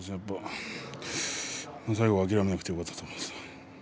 最後諦めなくてよかったと思います。